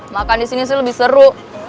makan disini sih lebih seru